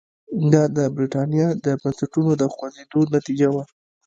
دا د برېټانیا د بنسټونو د خوځېدو نتیجه وه.